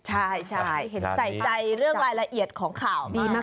ใช่ใส่ใจเรื่องรายละเอียดของข่าวดีมาก